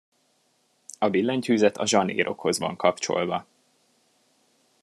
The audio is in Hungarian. A billentyűzet a zsanérokhoz van kapcsolva.